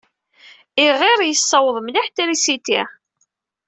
Iɣir yessawaḍ mliḥ trisiti.